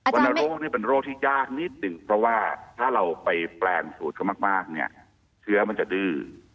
รณโรคเนี่ยเป็นโรคที่ยากนิดหนึ่งเพราะว่าถ้าเราไปแปลงสูตรเขามากเนี่ยเชื้อมันจะดื้อ